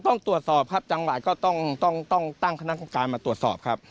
ต้องตรวจสอบจังหว่าอยู่หรือไม่ต้องตั้งคณะคนการมาตรวจสอบ